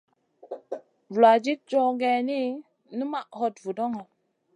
Vuladid cow gèh numaʼ hot vudoŋo.